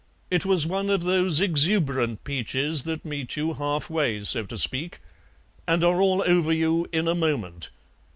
It was one of those exuberant peaches that meet you halfway, so to speak, and are all over you in a moment.